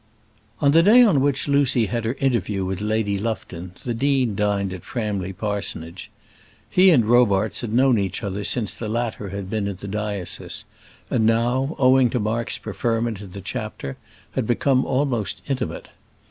On the day on which Lucy had her interview with Lady Lufton the dean dined at Framley Parsonage. He and Robarts had known each other since the latter had been in the diocese, and now, owing to Mark's preferment in the chapter, had become almost intimate.